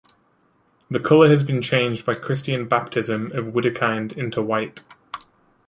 The colour has been changed by Christian baptism of Widukind into white.